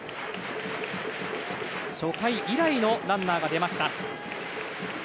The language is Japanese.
初回以来のランナーが出ました。